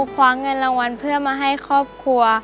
คว้าเงินรางวัลเพื่อมาให้ครอบครัว